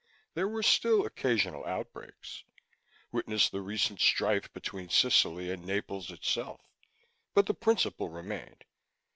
There were still occasional outbreaks witness the recent strife between Sicily and Naples itself but the principle remained....